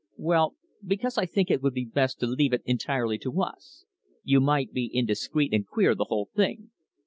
"Well, because I think it would be best to leave it entirely to us. You might be indiscreet and queer the whole thing."